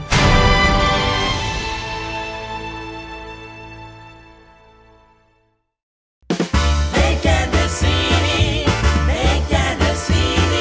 มันว่าโซเฟยความรักที่มีชีวิตได้